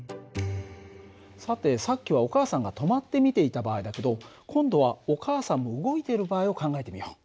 さてさっきはお母さんが止まって見ていた場合だけど今度はお母さんも動いている場合を考えてみよう。